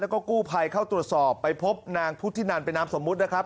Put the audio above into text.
แล้วก็กู้ภัยเข้าตรวจสอบไปพบนางพุทธินันเป็นนามสมมุตินะครับ